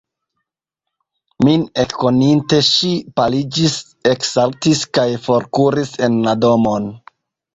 Min ekkoninte, ŝi paliĝis, eksaltis kaj forkuris en la domon.